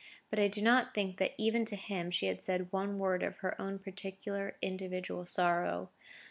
But I do not think that even to him she had said one word of her own particular individual sorrow.